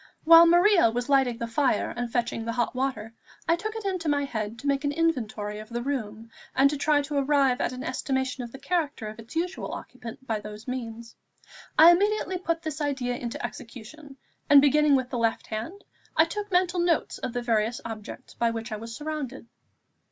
While Maria was lighting the fire and fetching the hot water, I took it into my head to make an inventory of the room, and try to arrive at an estimation of the character of its usual occupant by those means. I immediately put this idea into execution, and beginning with the left hand, I took mental notes of the various objects by which I was surrounded.